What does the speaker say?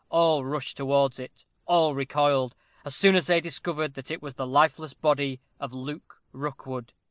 All rushed towards it all recoiled, as soon as they discovered that it was the lifeless body of Luke Rookwood.